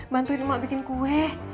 bantuin mak bikin kue